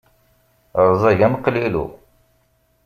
Rẓag am qlilu.